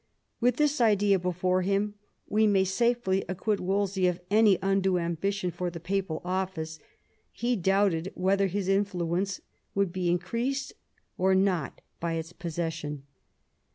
With this idea before him we may safely acquit Wolsey of any undue ambition for the papal office ; he doubted whether his influence would be increased or not by its possession.